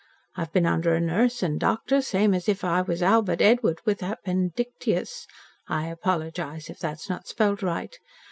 I've been under a nurse and doctor same as if I was Albert Edward with appendycytus (I apologise if that's not spelt right).